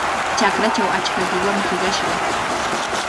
Chakrachaw achka qiwami hiqashqa.